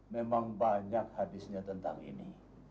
memang banyak hadisnya tentang ini